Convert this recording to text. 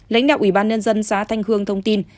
lãnh đạo ủy ban nhân dân xã thanh hương thông tin